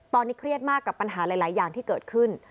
ตอนนี้เครียดมากกับปัญหาหลายอย่างที่เกิดขึ้น